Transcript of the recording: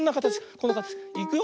このかたち。いくよ。